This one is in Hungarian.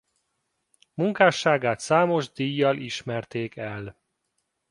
Munkásságát számos díjjal ismerték el.